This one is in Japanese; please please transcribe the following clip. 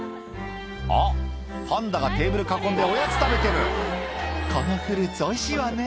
あっパンダがテーブル囲んでおやつ食べてる「このフルーツおいしいわね